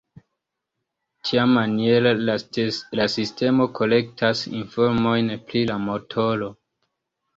Tiamaniere la sistemo kolektas informojn pri la motoro.